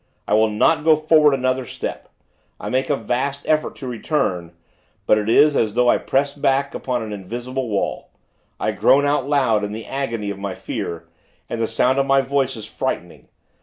I will not go forward another step. I make a vast effort to return; but it is, as though I press back, upon an invisible wall. I groan out loud, in the agony of my fear, and the sound of my voice is frightening.